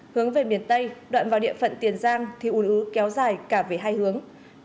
hướng về miền tây đoạn vào địa phận tiền giang thì ủn ứ kéo dài cả về hai hướng